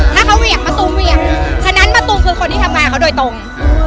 ถ้าเขาเหวี่ยงมะตูมเหวี่ยงฉะนั้นมะตูมคือคนที่ทำงานกับเขาโดยตรง